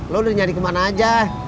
lo udah nyari kemana aja